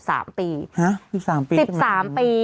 ฮะ๑๓ปีใช่ไหม๑๓ปี